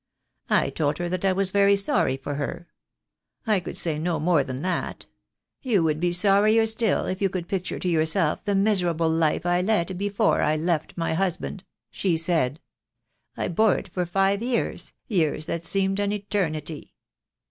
I told her that I was very sorry for her. I could say no more than that. 'You would be sorrier still if you could picture to yourself the miserable life I led before I left my hus band/ she said. 'I bore it for five years, years that seemed an eternity.